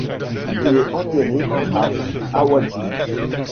Il est enterré à Awaji.